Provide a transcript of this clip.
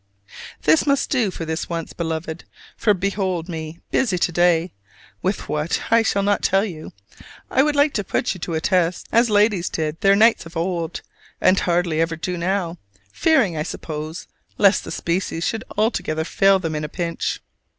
This must do for this once, Beloved; for behold me busy to day: with what, I shall not tell you. I would like to put you to a test, as ladies did their knights of old, and hardly ever do now fearing, I suppose, lest the species should altogether fail them at the pinch.